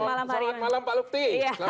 selamat malam pak lutfi